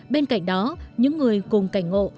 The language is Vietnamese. bên cạnh đó những người cùng cảnh ngộ